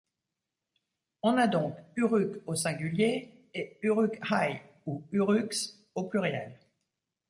On a donc Uruk au singulier et Uruk-hai ou Uruks au pluriel.